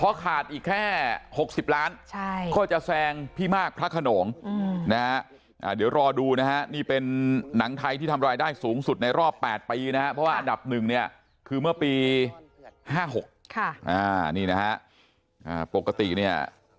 เพราะขาดอีกแค่๖๐ล้านก็จะแซงพี่มากพระขนงนะฮะเดี๋ยวรอดูนะฮะนี่เป็นหนังไทยที่ทำรายได้สูงสุดในรอบ๘ปีนะฮะเพราะว่าอันดับหนึ่งเนี่ยคือเมื่อปี๕๖นี่นะฮะปกติเนี่ย